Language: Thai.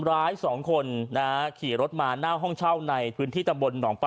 ร้ายสองคนนะฮะขี่รถมาหน้าห้องเช่าในพื้นที่ตำบลหนองปอ